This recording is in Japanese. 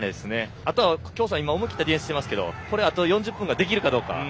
あと、京産は思い切ったディフェンスをしていますがこれをあと４０分できるかどうか。